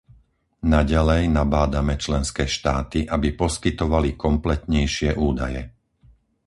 Naďalej nabádame členské štáty, aby poskytovali kompletnejšie údaje.